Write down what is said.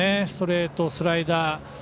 ストレート、スライダー。